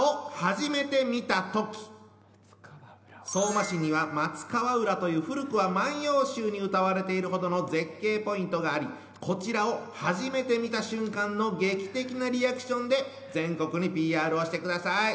相馬市には松川浦という古くは「万葉集」に歌われているほどの絶景ポイントがありこちらをはじめてみた瞬間の劇的なリアクションで全国にＰＲをしてください！